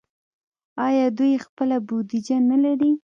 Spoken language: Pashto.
آیا دوی خپله بودیجه نلري؟